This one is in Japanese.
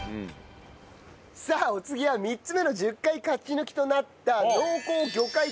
さあお次は３つ目の１０回勝ち抜きとなった。